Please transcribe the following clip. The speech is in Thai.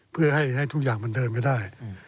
เพื่อให้ทุกอย่างมันเดินไม่ได้